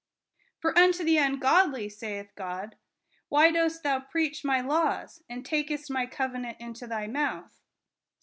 For unto the ungodly, saith God, why dost'thou preach my laivs, and takest my covenant in thy mouth 7 (Ps.